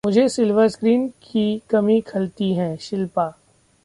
मुझे silver screen की कमी खलती है: शिल्पा